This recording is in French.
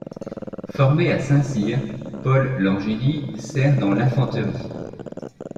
Formé à Saint-Cyr, Paul Langély sert dans l'infanterie.